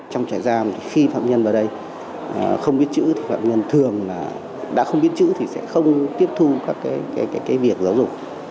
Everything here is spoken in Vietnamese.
trong trại giam khi phạm nhân vào đây không biết chữ thì phạm nhân thường là đã không biết chữ thì sẽ không tiếp thu các việc giáo dục